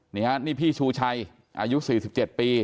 นี่ฮะนี่พี่ชูชัยอายุ๔๗ปี